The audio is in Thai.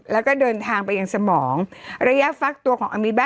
แล้วก็เดินทางไปยังสมองระยะฟักตัวของอามิบ้า